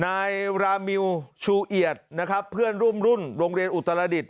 นายรามิวชูเอียดนะครับเพื่อนร่วมรุ่นโรงเรียนอุตรดิษฐ